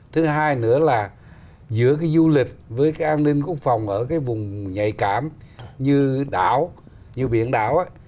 thứ hai nữa là giữa cái du lịch với cái an ninh quốc phòng ở cái vùng nhạy cảm như đảo như biển đảo